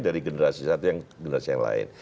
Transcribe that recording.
dari generasi satu ke generasi lain